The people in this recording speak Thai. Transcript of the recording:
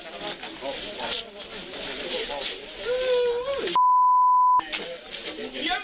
แค้นเหล็กเอาไว้บอกว่ากะจะฟาดลูกชายให้ตายเลยนะ